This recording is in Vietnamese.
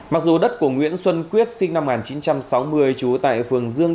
mặc dù đất của nguyễn xuân quyết sinh năm một nghìn chín trăm sáu mươi trú tại phường dương